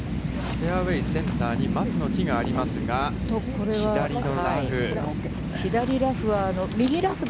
フェアウェイセンターに松の木がありますが、左のラフ。